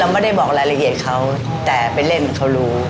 ไม่ได้บอกรายละเอียดเขาแต่ไปเล่นเขารู้